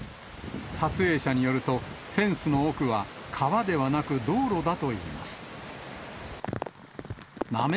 撮影者によると、フェンスの奥は、川ではなく道路だといいます。